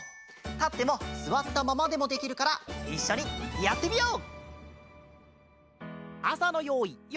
たってもすわったままでもできるからいっしょにやってみよう！